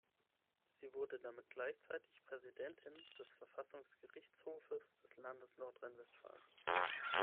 Sie wurde damit gleichzeitig Präsidentin des Verfassungsgerichtshofes des Landes Nordrhein-Westfalen.